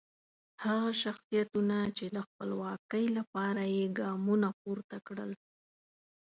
هغه شخصیتونه چې د خپلواکۍ لپاره یې ګامونه پورته کړل.